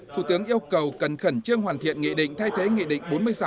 thủ tướng yêu cầu cần khẩn trương hoàn thiện nghị định thay thế nghị định bốn mươi sáu